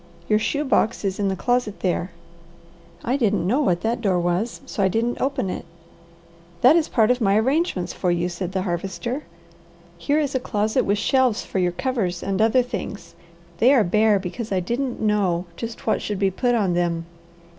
"Your shoe box is in the closet there." "I didn't know what that door was, so I didn't open it." "That is a part of my arrangements for you," said the Harvester. "Here is a closet with shelves for your covers and other things. They are bare because I didn't know just what should be put on them.